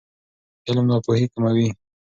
علم ناپوهي کموي.